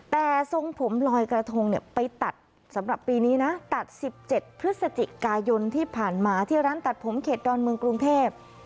แต่ทรงผมลอยกระทงเนี่ยไปตัดสำหรับปีนี้นะตัด๑๗พฤศจิกายนที่ผ่านมาที่ร้านตัดผมเขตดอนเมืองกรุงเทพ